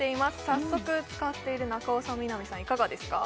早速使っている中尾さん南さんいかがですか？